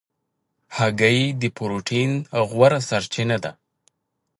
هګۍ د پروټین غوره سرچینه ده.